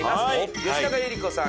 吉高由里子さん